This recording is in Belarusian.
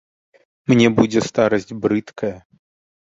Мне будзе старасць брыдкая!